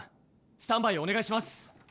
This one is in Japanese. スタンバイおねがいします。